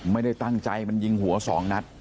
ไม่ได้ตั้งใจมันยิงหัวสองนัด